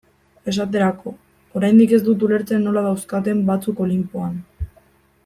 Esaterako, oraindik ez dut ulertzen nola dauzkaten batzuk Olinpoan.